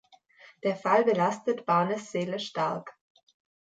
Der Fall belastet Barnes seelisch stark.